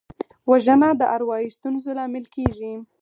وژنه د اروايي ستونزو لامل کېږي